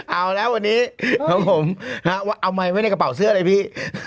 เอาแล้ววันนี้ครับผมเอาไว้ในกระเป๋าเสื้อด้วยพี่